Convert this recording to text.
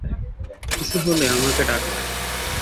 কিছু হলে আমাকে ডাকবে।